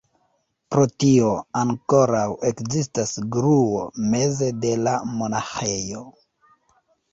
Pro tio ankoraŭ ekzistas gruo meze de la monaĥejo.